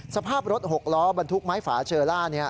สภาพรถหกล้อบรรทุกไม้ฝาเชอล่านี้